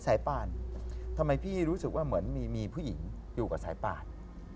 สายป่านทำไมพี่รู้สึกว่าเหมือนมีผู้หญิงอยู่กับสายป่าน